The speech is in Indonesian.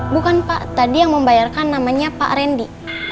bukan pak tadi yang membayarkan namanya pak randy